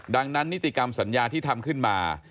ดังนั้นนิติกรรมสัญญาที่ทำขึ้นมา